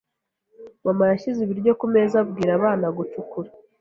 Mama yashyize ibiryo kumeza abwira abana gucukura.